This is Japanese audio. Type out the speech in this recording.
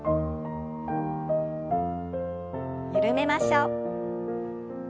緩めましょう。